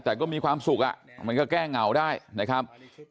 แต่ก็มีความสุขมันก็แก้เหงาได้นะครับ